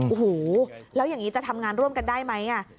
โอ้โหแล้วอย่างนี้จะทำงานร่วมกันได้ไหม